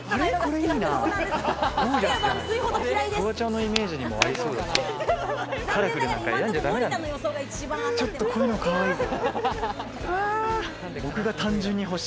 フワちゃんのイメージにも合いそうだし。